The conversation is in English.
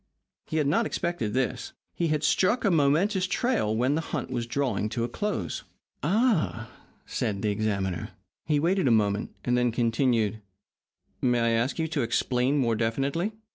He had not expected this. He had struck a momentous trail when the hunt was drawing to a close. "Ah!" said the examiner. He waited a moment, and then continued: "May I ask you to explain more definitely?"